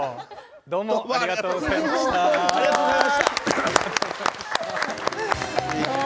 どうもありがとうございました面白い！